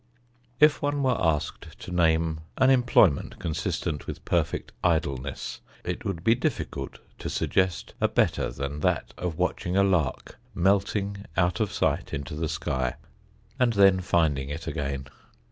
If one were asked to name an employment consistent with perfect idleness it would be difficult to suggest a better than that of watching a lark melting out of sight into the sky, and then finding it again.